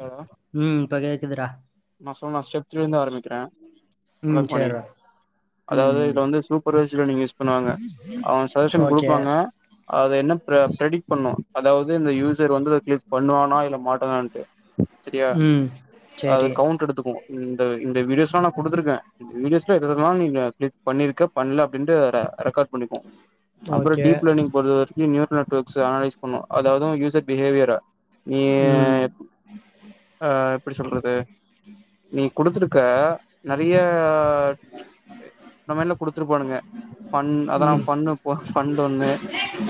hello ம் இப்ப கேக்குதுடா நா சொன்ன ஸ்டேப்ல இருந்து ஆரம்பிக்கிறே ம் விளக்கமணி செர்றா அதாவது இது வந்து சூப்பர்வைச்டில் நீங்க யூஸ் பண்ணுவாங்க அவங்க சஜஷன் ஓகே கொடுப்பாங்க அத என்ன ப பரெடிக்ட் பண்ணும் அதாவது இந்த யூசர் வந்து அத கிளிக் பண்ணுவானா இல்ல மாட்டானான்ட்டு சரியா ம் அது சேரி கவுண்ட் எடுத்துக்கு இந்த வீடியோஸ்ல்லா நா குடுத்துருக்கே இந்த வீடியோஸ் ஜலதோஷம் எ நீ கிளிக் பண்ணிருக்க பண்ணல அப்டிண்ட்டு ரெக்கார்ட் பண்ணிக்குவோ அப்றோ ஓகே டீப் லனிங் ஒரு ஒப்பினியன் வரைக்கு நியூர நெர்க்ஸ் அனலைஸ் பண்ணு அதாவது யூர் பிஹேவியரா ம் ஆ எப்டி சொல்றது நீ கொடுதிருக்க நெறைய நம்மல்ல குடுத்துரு பாணுங்க ஃபன் அதெல்லாம் ம் ஃபன் அப்போ ஃபன்டொண்ணு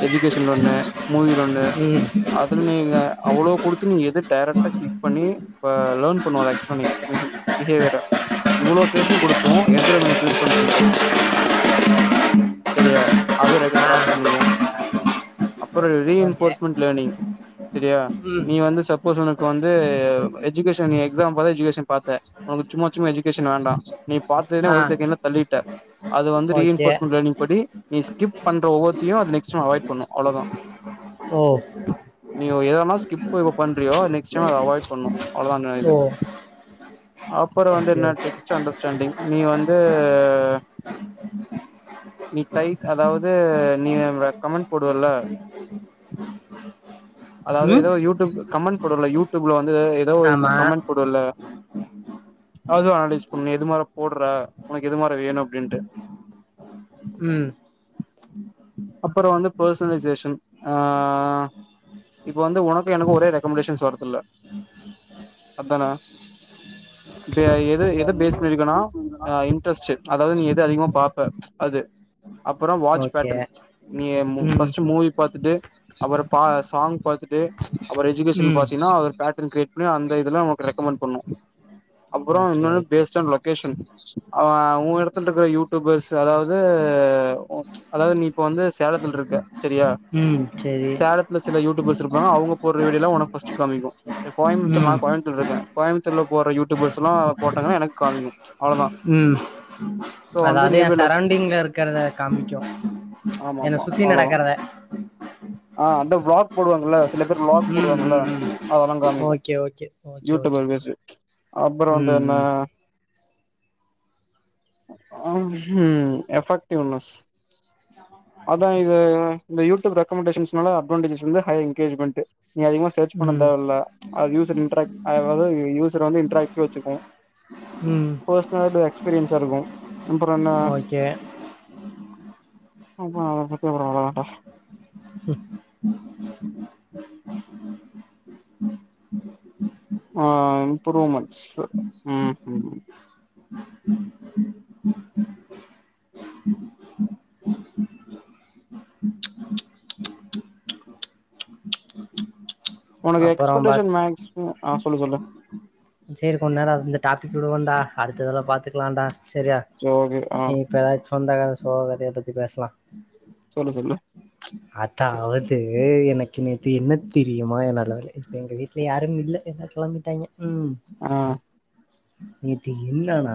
எஜிகேஷன்ல ஒண்ணு மூவில ஒண்ணு ம் அதுல நீங்க அவ்வளோ கொடுத்து நீ எது டைரெக்ட்டா கிள் பண்ணி லேன் பண்ணுவாங்க ஹக் பண்ணி பிஹேவியர இவ்வளோ செஷன் கொடுத்தோம் எந்தடவனை சூஸ் பண்றன்ட்டு செரியா அது ரெண்டு ஆ ட்ரேக் பண்ணிவோம் அப்றோம் ஓகே ரீஎன்போர்ஸ்மென்ட் லேர்னிங் சரியா ம் நீ வந்து சப்போஸ் உனக்கு வந் து எஜிக்கேஷன் எக்ஸாம் போல எஜியேஷன் பாத்த உன் சும்மா சும்மா எஜுகேஷன் வேண்டாம் நீ பாத்ததுனே ஆ ஒரு செகண்ட்ல தள்ளிட்ட அது வந்து ஓகே ரீஎன்போர்ஸ்மெண்ட் லேர்னிங் படி நீ ஸ்கிப் பண்ற வொவ்வொருத்தையும் அது நெக்ஸ்ட்டும் அவாய் பண்ணும் அவ்ளவுதான் ஓ நீயோ ஏதனா ஸ்கிப் ஏதோப் பண்றியோ நெக்ஸ்ட் டைம் அத அவாய்ட் பண்ணும் அவ்வளவுதான் அன்ன இது ஓ அப்றோ வந்து ஓகே என்ன ஓகே டெக்ஸ்ட் அண்டர்ஸ்டேண்டிங் நீ வந்து நீ டை அதாவது நீ எங்கள கமண்ட் போடுவல்ல அதாவது ம் ஏதோ யூடூப் கமண்ட் போடுவல்ல யூடூப்ல வந்து எதோ ஒரு இது ஆமா கமண்ட் போடுவல்ல அதுவு அனலைஸ் பண்ணு எது மார் போடுற ஒனக்கு எது மார் வேணு அப்டின்ட்டு ம் அப்பறோ வந்து பர்சலைசேஷன் ஆ இப்ப வந்து ஒனக்கு எனக்கு ஒரே ரெக்கமண்டேஷன்ஸ் வரதுல்ல அப்தான இப்ப எது எத பேஸ் பண்ணி இருக்குனா ஆ இன்ட்ரஸ்ட்டு அதாவது நீ எது அதிகமா பாப்ப அது அப்பறோ வாட்ச் ஓகே பேட்டன் நீ ம் ஃபஸ்ட் மூவி பாத்துட்டு அப்பறோ பாஸ் சாங் பாத்துட்டு அப்பறோ எஜுகேஷன் ம் பாத்தீனா அது பேட்டன் கிரியேட் பண்ணி அந்த இதுலா உனக் ரெக்கமெண்ட் பண்ணு அப்பறோ ஓகே இன்னோன்னு ஓகே பேஸ்ட் ஆனா லொகேஷன் அவ ஊ எடத்துல இருக்கிற யூடூபர்ஸ் அதாவது அதாவது நீ இப்ப வந்து சேலத்துல்ருக்க சரியா ம் சேரி சேலத்துல சில யூடூபர்ஸ் இருப்பாங்க அவுங்க போடுற வீடியோல்லா ஒனக் ஃபர்ஸ்ட்டு காமிக்கு இப்ப கோயம்முத்தூர்லா ம் நா கோயம்முத்தூர்ல இருக்கே கோயம்முத்தூர்ல போற யூடூபர்ஸ்ல்லா போட்டாங்கன்னா எனக்கு காமிக்கு அவ்ளோதா ம் அதாது எ லக் சரோண்டிங்ல இருக்கறத காமிக்கு ஆமா என்ன ஆமா சுத்தி அவ்வளோதான் நடக்கறத ஆ அந்த வ்லாக் போடுவாங்கள்ல சில பேர் வ்லாக் ம் போடுவாங்கல்ல ம் ம் அதல்லா காமிக்கு okay okay okay okay YouTuber based அப்பறோ வந்து ம் என்ன ம் ம் எஃபெக்டிவ்னஸ் அதா இது இந்த யூடூப் ரெக்கமண்டேஷன்ஸ்னால அட்வான்டேஜஸ் வந்து ஹையர் என்கேஜ்மண்ட்டு நீங்க அதிகமா சர்ச் பண்ண ம் தேவயில்ல அது யூசர் இன்ட்ராக் [unintelligible] யூசர வந்து இன்ட்ராக்ட்டா வச்சுக்கு ம் பர்ஸ்சனல் டு எக்ஸ்பீரியன்ஸா இருக்கு அப்பறோ என்ன ஓகே அப்பறோ ஒரு பத்தியபுற வரமாட்டா ஆ இம்ப்ரூவ்மட்ஸ்ஸு ம் ம் உனக்கு அப்பறம் பாத் எக்ஸ்பெக்டேஷன் மேக்ஸ் ஆ சொல்லு சொல்லு சேர் கொஞ்ச நேரோ அது இந்த டாபிக் விடுவோன்டா அடுத்ததுல பாத்துக்கலான்டா சரியா சேர் ஓகே ஆ த சொந்த கத சோக கதைய பத்தி பேசலா சொல்லு சொல்லு அத்தாவது எனக்கு நேத்து என்னத் தெரியுமா எனக் நல்ல வேல இப்ப எங்க வீட்ல யாரும் இல்ல எல்லா கெளம்பிட்டாய்ங்க ம் ஆ நேத்து என்னனா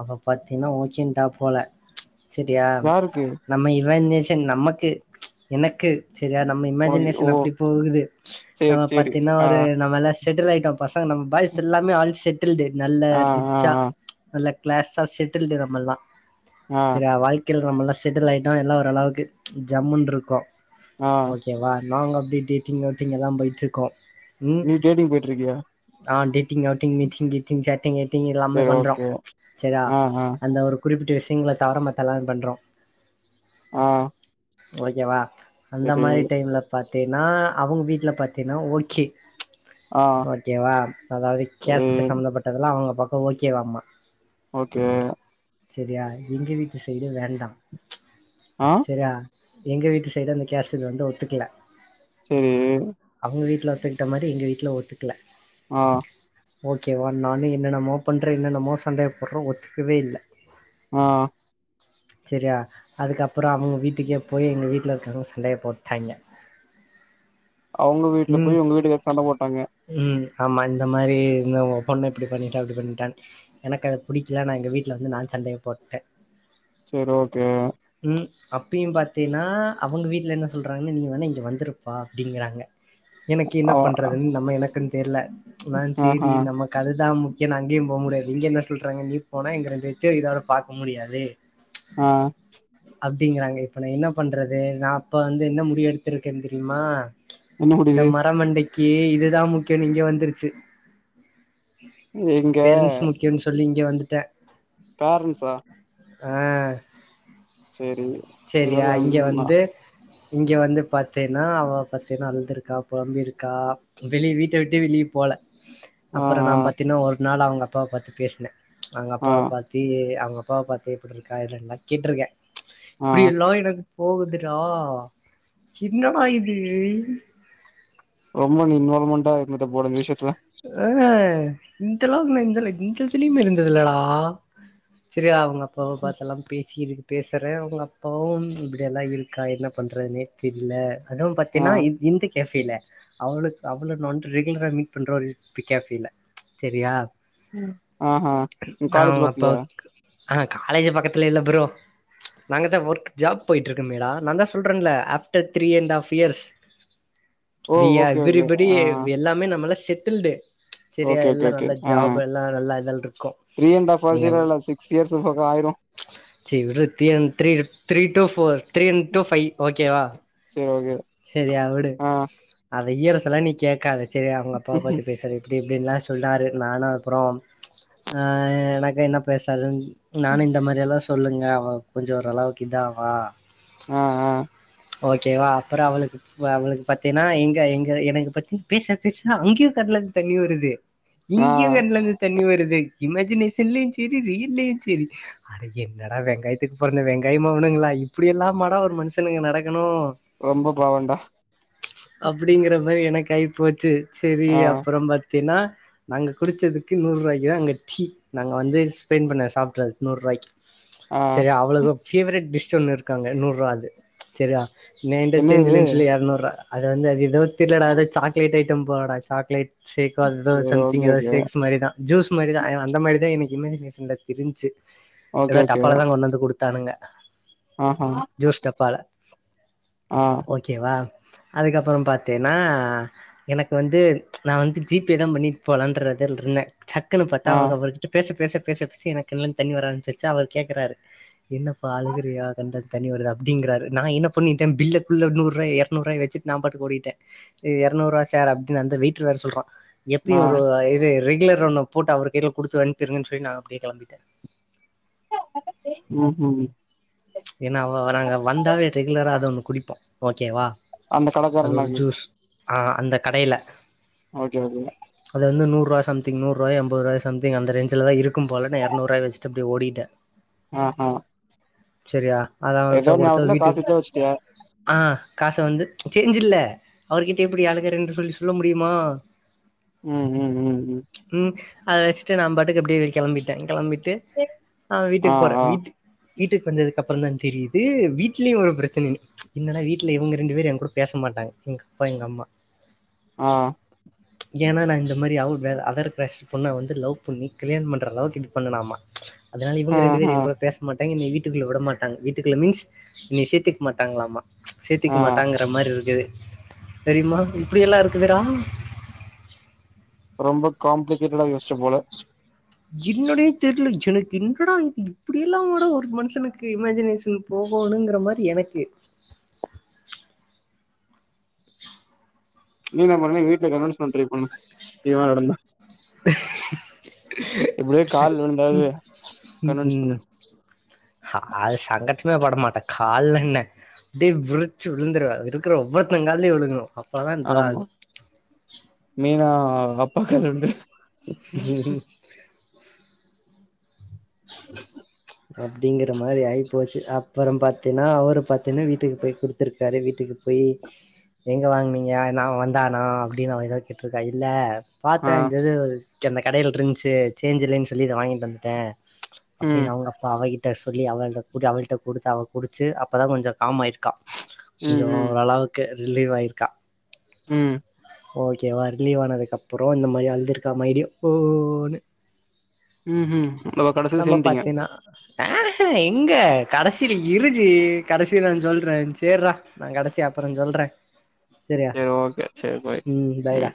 அவ பாத்தேனா ஓகேன்டா போல செரியா யாருக்கு நம்ம இவன் நேசன் நமக்கு எனக்கு செரியா நம்ம உனக்கு இமேஜினேஷன் ஓ அப்டி போகுது சேரி நம்ம சேரி பாத்தீன்னா ஆ ஒரு நம்மல்லா செட்டில் ஆய்ட்டோ பசங்க நம்ம பாய்ஸ் எல்லாமே ஆல் செட்டில்டு நல்ல ஆ ஆ ரிச்சா நல்ல க்ளாஸா செட்டில்டு நம்மள்ளா ஆ ஆ சரியா வாழ் கீல் நம்மல்லா செட்டில் ஆய்டோ எல்லா ஓரளவுக்கு ஜம்முன்ருக்கோ ஆ ஓகேவா நாங்க அப்டி டேட்டிங் அவ்டிங் எல்லா போயிட்ருக்கோ நீ டேடிங் போயிட்ருக்கியா ஆ டேட்டிங் அவுட்டிங் மிட்டிங் கீட்டிங் சாட்டிங் ஏட்டிங் எல்லாமே சேரி பண்றோ ஓகே செரியா ஆ ஆ அந்த ஒரு குறிப்பிட்ட விஷயங்கள தவுர மத்த எல்லாமே பண்றோ ஆ ஓகேவா அந்த செரி மாரி டைம்ல பாத்தீன்னா அவுங்க வீட்டுல பாத் தின்னா ஓகே ஆ ஓகேவா அதாவது செரி கேஸ்ட் சம்பந்தப்பட்ட ட்டதெல்லா அவுங்க பக்கோ ஓகேவாம்மா ஓகே செரியா எங்க வீட்டு சைடு வேண்டா ஆ செரியா எங்க வீட்டு சைடு அந்த கேஸ்ட் இது வந்து ஒத்துக்கல செரி அவுங்க வீட்டுல ஒத்துக்குட்ட மாரி எங்க வீட்ல ஒத்துக்ல ஆ ஓகேவா நா வந்து என்னென்னமோ பண்றே என்னென்னமோ சண்டைய போட்றே ஒத்துக்கவே இல்ல ஆ ஆ செரியா அதுக்கப்பறோ அவுங்க வீட்டுக்கே போயி எங்கள வீட்ல இருக்குறவங்க சண்டைய போட்டாங்கே அவுங்க வீட்டுல ம் போய் உங்க வீட்டுக்காரு சண்ட போட்டாங்க ம் ஆமா இந்த மாரி இந்த உங்க பொண்ணு இப்டி பண்ணிட்டா அப்டி பண்ணிட்டானு எனக்கு அது புடிக்கல நா எங்க வீட்டுல வந்து நா சண்டேய போட்டே செரி ஓகே ம் அப்பையு பாத்தீன்னா அவுங்க வீட்டுல என்ன சொல்றாங்கன்னு நீங்க வேணா இங்க வந்துருப்பா அப்டிங்கிறாங்க எனக்கு என்ன ஆ பண்றதுன்னு நம்ம எனக்குன் தெர்ல நா சேரி ஆஹா நமக் கு அதுதா முக்கியோன்னு அங்கயு போ முடியாது இங்க என்ன சொல்றாங்க நீ போனா இங்க ரெண்டு வேத்தையு உயிரோட பாக்க முடியாது ஆ அப்டிங்கிறாங்க இப்ப நா என்ன பண்றது நா இப்ப வந்து என்ன முடிவு எடுத்துருக்கேன் தெரியுமா என்ன இந்த முடிவு மரமண்டைக்கி இதுதா முக்கியன்னு இங்க வந்துருச்சு எங்க பேரன்ட்ஸ் முக்கியோன்னு சொல்லி இங்க வந்துட்டே பேரண்ட்ஸா ஆ சேரி ஏதோ செரியா இங்க வேணும்னா வந்து இங்கே வந்து பாத்தீன்னா அவ பாத்தீன்னா அழுதுருக்கா பொழம்பிருக்கா வெளிய வீட்ட விட்டு வெளிய போல ஆ அப்பறோ ஆ நா பாத்தீன்னா ஒரு நாள் அவுங்க அப்பாவ பாத்து பேஸ்னே அவுங்க ஆ அப்பாவ பாத்து த்தி அவுங்க அப்பாவ பாத்து எப்புட்ருக்கா இதல்லா கேட்ருக்கே ஆ இப்டி எல்லா எனக்கு போகுதுடா என்னடா இது ரொம்ப நீ இன்வால்மெண்ட்டா இருந்துட்ட போல நீ இந்த விஷயத்துல அ இந்த அளவுக்குல்லா இந்த இந்த எதுலயுமே இருந்தது இல்லடா செரியா அவுங்க அப்பாவ பாத்தெல்லா பேசி இருக் பேசுறே அவுங்க அப்பாவும் இப்டியெல்லா இருக் க்கா என்ன பண்றதுன்னே தெர்ல அதவு ஆ பாத்தீன்னா இந் இந்த கேஃபேல அவளுக்கு அவள நொண் ரெகுலரா மீட் பண்ற ஒரு பிக் கேஃபேல்ல செரியா ம் ஆ ஹா ஓ காலேஜ் பக்கத்துலயா அப்பாவுக்கு ஆ காலேஜ் பக்கத்துல இல்ல ப்ரோ நாங்க தா ஒர்க் ஜாப் போயிட்ருக்க மேடா நா தா சொல்றேன்ல after three and half years oh we are okay okay everybody ஆ எ எல்லாமே நம்மல்லா செட்டில்டு செரியா ஓகே ஓகே எல்லா ஓகே நல்ல ஆ ஜாப் எல்லா நல்லா இதல்லாருக்கு த்ரீ அண்ட் ஹாஃப் ஹார்ஸ் நீங்கள் இல்ல இல்ல சிக்ஸ் இயர்ஸ் பக்கோ ஆயிரு சீ விட்றா three and three three two four three and two five ஓகேவா சேர் ஓகே சரியா விடு ஆ அத ஈரசலா நீ கேக்காத செரியா அவங்க அப்பாவ பத்தி பேசுற அப்டி இப்டின்லா சொன்னாரு நானு அப்பறம் அ எனக்கு என்ன பேசற்துன் நானு இந்த மாரி எல்லா சொல்லுங்க அவ கொஞ்சோ ஓரளவுக்கு இதாவா ஆ ஆ ஓகேவா அப்பறோ அவளுக்கு ஒ அவளுக்கு பாத்தீன்னா எங்க எங்க எனக்கு பத்தி பேச பேச அங்கேயு கண்ல இந்து தண்ணி வருது ஆ இங்கேயு கண்ல இருந்து தண்ணி வருது இமஜினேஷன்லயு சரி ரியல்லயு சரி அ என்னடா வெங்காயத்துக்கு பொறந்த வெங்காய மொவனுங்களா இப்படி எல்லாமாடா ஒரு மனுஷனுக்கு நடக்கணு ரொம்ப பாவோன்டா அப்டிங்கற மாரி எனக்கு ஆய்போச்சு சரி ஆ அப்புறோ பாத்தீன்னா நாங்க குடிச்சதுக்கு நூறு ரூவாய்க்கு தா அங்க டீ நாங்க வந்து ஸ்பெண்ட் பண்ண சாப்பிறது நூறுவாய்க்கி ஆ சரியா அவ்வளவு பேவரட் டிஷ் ஒண்ணு இருக்கு அங்க நூறுவாது சரியா என்ட்ட சேஞ்ச என்னது இல்லன்னு சொல்லி எர்நூரூவா அது வந்து அது ஏதோ தெர்லடா அது சாக்லேட ஐட்டம் போலடா சாக்லேட் சேக்கோ அது தா சேரி சம்திங் ஓகே ஏதா ஓகே சேக்ஸ் மாரிதா ஜூஸ் மாரிதா எனக் அந்த மாரிதா எனக்கு இமஜினேஷன்ல தெரிஞ்சு ஓகே ஏதா ஓகே டப்பால தா கொண்டு வந்து குடுத் தானுங்க ஆஹா ஜோஷ்டப்பால ஆ ஓகேவா அதுக்கப்றோ பாத்தேனா எனக்கு வந்து நா வந்து ஜிபே தா பண்ணிட் போலன்றது இருந்த டக்குன்னு பாத்தா ஆ அவங்க அவர்கிட்ட பேச பேச பேச பேச எனக்கு கண்லந்து தண்ணி வர ஆரமிச்சிர்ச்சா அவர் கேக்குறாரு என்னப்பா அழுகுறியா கண்லந் தண்ணி வருது அப்டிங்றாரு நா என்ன பண்ணிட்ட பில்டப்க்குள்ள நூறாய் எரநூறுவாய வச்சிட்டு நா பாட்டுக்கு ஓடிட்ட ஏ எரநூறுவா சார் அப்டின்னு அந்த வேட்ரு வேற சொல்றா ஆ எப்பயு ஒரு இது ரெகுலர்ன் ஒன்ன போட்டு அவர் கைல குடுத்து அனுப்பிருங்கன் சொல்லி நா அப்டியே கெளம்பிட்ட ம் ம் ஏனா அவ நாங்க வந்தாவே ரெகுலரா அத ஒண்ணு குடிப்போ ஓகேவா அந்த அது ஒரு கடக்காரனாக்கு ஜூஸ் ஆ அந்த கடைல ஓகே ஓகே அது வந்து நூறுவா சந்திங் நூறுவாயா எம்பதுரூவாயா சம்திங் அந்த ரேஞ்ல தா இருக்கு போல நா எரநூறுவாய வச்சுட்டு ஓடிட்ட ஆ சரியா அத அவர்ட்டா குடுத்து அத ஞாபகத்துல காசு வீட்டுக்கு வச்சா வச்சுட்டியா ஆ காசை வந்து சேஞ் இல்ல அவர்கிட்ட எப்டி எ ஆளுக்கு ரெண்டு சொல்லி சொல்ல முடியுமா ம் ம் ம் ம் ம் அத வச்சுட்டு நா பாட்டுக்கு அப்டியே கெளம்பிட்ட கெளம்பிட்டு ஆ வீட்டுக்கு போற வீட்டு வீட்டுக்கு கொஞ்சது க்கப்றந்தா‌ தெரியுது வீட்லயு ஒரு பிரச்சனன்னு என்னடா வீட்ல இவங்க ரெண்டு பேரு எ கூட பேச மாட்டாங்க எங்க பா எங்கம்மா ஆ ஏனா நா இந்த மாரி அவள அதர் கஸ்ட் பொண்ண வந்து லவ் பண்ணி கல்யாண் பண்ற அளவுக்கு இது பண்ணனாமா அதனால இவங்க ரெண்டு பேர் ஆஹா எங் கூட பேச மாட்டாங்க என்னை வீட்டுக்குள்ள விட மாட்டாங்க வீட்டுக்குள்ள மீன்ஸ் என்னைய சேத்துக்க மாட்டாங்களாமா சேத்திக்க ஆ மாட்டாங்கற மாரி இருக்குது தெரிமா இப்டி எல்லா இருக்குதுடா ரொம்ப காம்ப்ளிகேட்டடா யோசிச்ச போல என்னனே தெர்ல எனக்கு என்னடா இது இப்டியெல்லாபாடா ஒரு மனுஷனுக்கு இமஜினேஷன் போகணுங்கிற மாரி எனக்கு நீ என்ன பண்ணுங்க வீட்டுல கன்வன்ஸ் பண்ண ட்ரை பண்ணுங்க இது மாரி நடந்தா எப்டியோ கால் [inaudible] விழுந்தாவது ம் கன்வின்ஸ் பண்ணு ம் ஹ அது சங்கட்டமே படமாட்டே கால்ல என்ன அப்டியே விருச்சு விழுந்துருவ இருக்கிற ஒவ்வொத்தனங்க காலயையும் விழுகணும் அப் ஆமா மீனா அப்பா கால்ல விழுந்து உம் உம் [inaudible] அப்டிங்கிற மாரி ஆகி போச்சு அப்புறம் பாத்தீன்னா அவரு பாத்தீங்கனா வீட்டுக்கு போய் குடுத்திருக்காரு வீட்டுக்கு போய் எங்க வாங்கனீங்க நா வந்தானா அப்டின்னு ந அவ ஏதாவ கேட்ருக்கா இல்ல பாத்தே ஆ இந்த இது அந்த கடையில இருந்துச்சு சேஞ்சு இல்லைன்னு சொல்லி இத வாங்கிட்டு வந்துட்டே ம் அப்டின்னு அவங்க அப் ப்பா கிட்ட சொல்லி அவ அவளிட்ட குடுத்து அவ குடுச்சு அப்பதா கொஞ்சோ காமாயிருக்கா ம் கொஞ்சோ ம் ஓரளவுக்கு ரில்வு ஆயிருக்கா ம் ஓகே வா ரிலீவ் ஆனதுக்கு அப்பறோ இந்த மாரி அழுதுருக்கா மறுடியும் ஓ ன்னு ம் ம் ஆனா கடைசில நம்ம சேன்ட்டீங்க பாத்தீன்னா ஆஹ எங்க கடைசியில இருச்சு கடைசியில சொல்றே சேர்றா நா கடச்சிய அப்பறோ சொல்றே சரியா சேரி ஓகே சேரி பாய் ம் பாய்டா